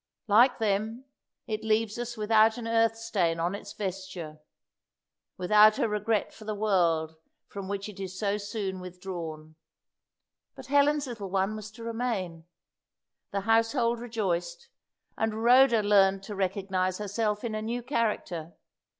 Like them, it leaves us without an earth stain on its vesture; without a regret for the world from which it is so soon withdrawn. But Helen's little one was to remain. The household rejoiced, and Rhoda learnt to recognise herself in a new character.